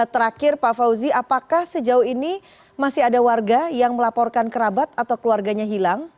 terakhir pak fauzi apakah sejauh ini masih ada warga yang melaporkan kerabat atau keluarganya hilang